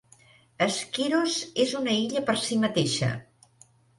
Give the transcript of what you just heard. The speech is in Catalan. Skyros és una illa per si mateixa.